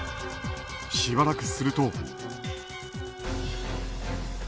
しばらくすると。